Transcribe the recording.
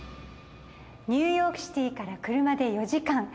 ニューヨークシティから車で４時間。